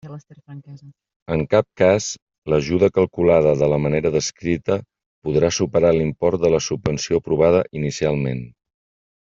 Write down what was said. En cap cas, l'ajuda calculada de la manera descrita podrà superar l'import de la subvenció aprovada inicialment.